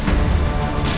ya ini udah berakhir